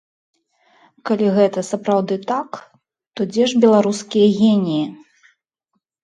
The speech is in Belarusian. Калі гэта сапраўды так, то дзе ж беларускія геніі?